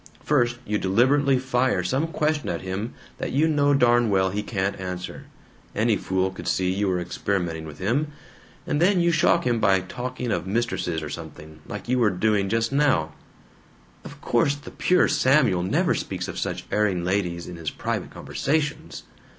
First you deliberately fire some question at him that you know darn well he can't answer any fool could see you were experimenting with him and then you shock him by talking of mistresses or something, like you were doing just now " "Of course the pure Samuel never speaks of such erring ladies in his private conversations!"